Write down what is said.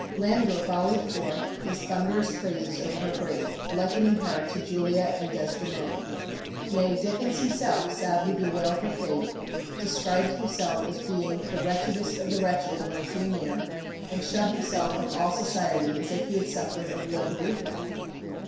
Landor volleyed forth his thunderous praises over her grave, likening her to Juliet and Desdemona. Nay, Dickens himself sadly bewailed her fate, described himself as being the "wretchedest of the wretched" when it drew near, and shut himself from all society as if he had suffered a real bereavement.